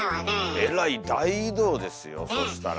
えらい大移動ですよそしたら。